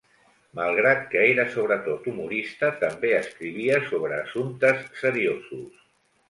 Malgrat que era sobretot humorista, també escrivia sobre assumptes seriosos.